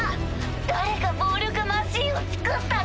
誰が暴力マシンを造ったの？